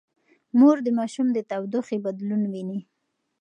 مور د ماشوم د تودوخې بدلون ويني.